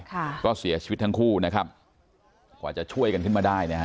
ค่ะก็เสียชีวิตทั้งคู่นะครับกว่าจะช่วยกันขึ้นมาได้นะฮะ